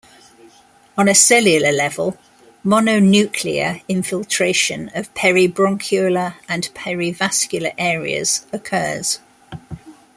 On a cellular level, mononuclear infiltration of peribronchiolar and perivascular areas occurs.